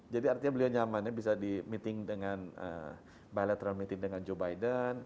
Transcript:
jadi artinya beliau nyamannya bisa di meeting dengan bilateral meeting dengan joe biden